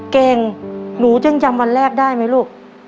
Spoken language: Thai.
เก่งหนูจึงจำวันแรกได้ไหมลูก